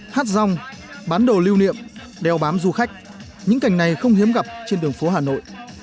hát rong bán đồ lưu niệm đeo bám du khách những cảnh này không hiếm gặp trên đường phố hà nội